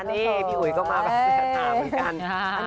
นี่พี่อุ๋ยก็มาแบบศรัทธาเหมือนกัน